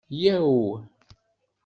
Yya-w!